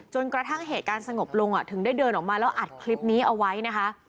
กระทั่งเหตุการณ์สงบลงถึงได้เดินออกมาแล้วอัดคลิปนี้เอาไว้นะคะ